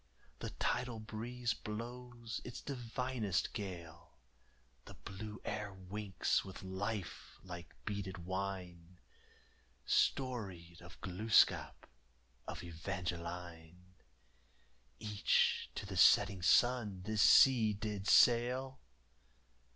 The tidal breeze blows its divinest gale! The blue air winks with life like beaded wine! Storied of Glooscap, of Evangeline Each to the setting sun this sea did sail.